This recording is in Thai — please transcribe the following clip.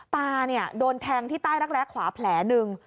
ตาโดนแทงที่ใต้รักแร้ขวาแผลหนึ่ง